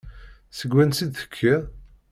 Seg wansi i d-tekkiḍ?